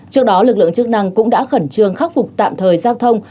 trước đó lực lượng chức năng cũng đã khẩn trương khắc phục tạm thời giao thông